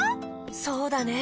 そうだね。